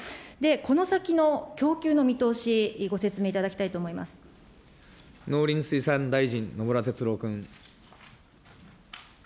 この先の供給の見通し、ご説明い農林水産大臣、野村哲郎君。